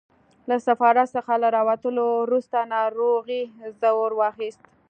له سفارت څخه له راوتلو وروسته ناروغۍ زور واخیست.